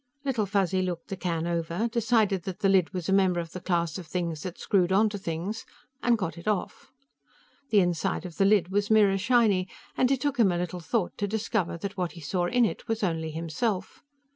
Little Fuzzy looked the can over, decided that the lid was a member of the class of things that screwed onto things and got it off. The inside of the lid was mirror shiny, and it took him a little thought to discover that what he saw in it was only himself.